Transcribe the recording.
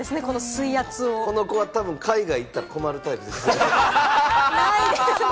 この子はたぶん海外行ったら困るタイプですね。